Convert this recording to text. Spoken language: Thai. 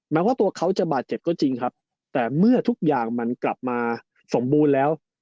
แม้ว่าตัวเขาจะบาดเจ็บก็จริงครับแต่เมื่อทุกอย่างมันกลับมาสมบูรณ์แล้ว